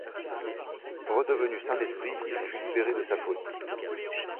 Redevenu sain d'esprit, il fut libéré de sa folie.